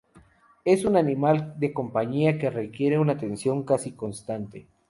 Es un animal de compañía que requiere una atención casi constante.